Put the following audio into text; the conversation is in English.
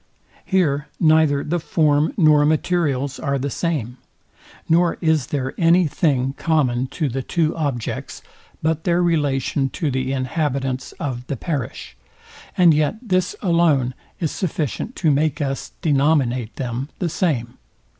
Here neither the form nor materials are the same, nor is there any thing common to the two objects, but their relation to the inhabitants of the parish; and yet this alone is sufficient to make us denominate them the same.